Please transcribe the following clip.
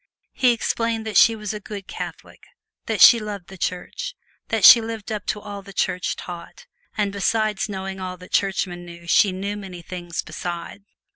He explained that she was a good Catholic that she loved the Church that she lived up to all the Church taught, and besides knowing all that Churchmen knew she knew many things beside.